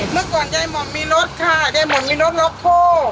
เมื่อก่อนเจ๊หม่อมมีรถค่ะเจ๊หม่อมมีรถล็อคโฟ